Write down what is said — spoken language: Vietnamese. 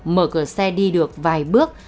mở cửa xe đi được vài bước